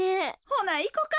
ほないこか。